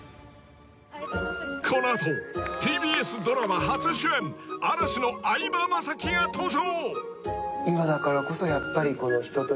このあとＴＢＳドラマ初主演嵐の相葉雅紀が登場！